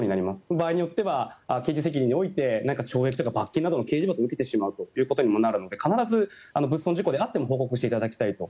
場合によっては刑事責任において懲役とか罰金などの刑事罰を受けてしまうことにもなるので必ず物損事故であっても報告していただきたいと。